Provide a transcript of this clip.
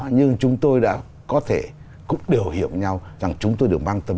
nhưng chúng tôi đã có thể cũng điều hiệu với nhau rằng chúng tôi đều mang tâm trọng cho các bạn